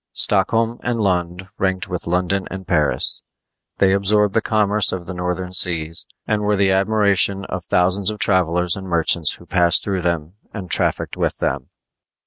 Stockholm and Lund ranked with London and Paris. They absorbed the commerce of the northern seas, and were the admiration of thousands of travelers and merchants who passed through them and trafficked with them.